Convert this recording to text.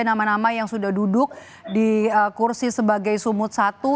nama nama yang sudah duduk di kursi sebagai sumut satu